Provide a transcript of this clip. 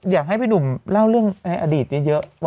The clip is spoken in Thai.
อยากให้พี่หนุ่มเล่าเรื่องในอดีตเยอะ